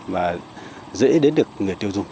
rõ ràng dễ đến được người tiêu dùng